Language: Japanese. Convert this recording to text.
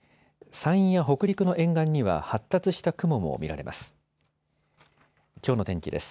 山陰や北陸の沿岸には発達した雲も見られます。